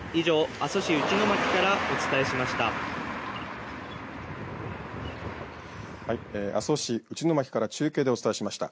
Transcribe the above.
阿蘇市内牧から中継でお伝えしました。